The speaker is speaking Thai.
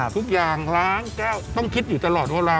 ทุกอย่างล้างแก้วต้องคิดอยู่ตลอดเวลา